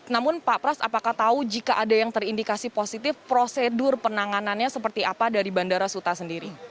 namun pak pras apakah tahu jika ada yang terindikasi positif prosedur penanganannya seperti apa dari bandara suta sendiri